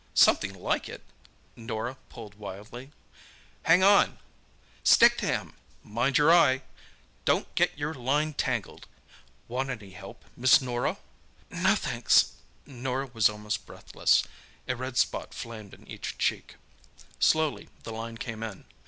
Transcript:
"Something like it!" Norah pulled wildly. "Hang on!" "Stick to him!" "Mind your eye!" "Don't get your line tangled!" "Want any help, Miss Norah?" "No thanks." Norah was almost breathless. A red spot flamed in each cheek. Slowly the line came in.